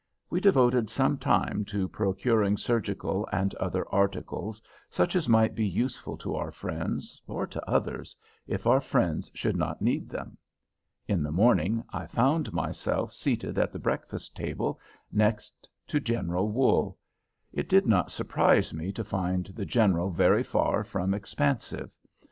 We devoted some time to procuring surgical and other articles, such as might be useful to our friends, or to others, if our friends should not need them. In the morning, I found myself seated at the breakfast table next to General Wool. It did not surprise me to find the General very far from expansive.